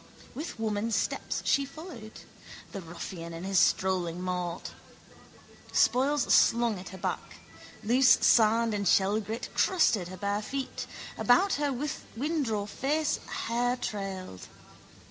With woman steps she followed: the ruffian and his strolling mort. Spoils slung at her back. Loose sand and shellgrit crusted her bare feet. About her windraw face hair trailed.